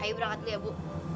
ayo berangkat dulu ya bu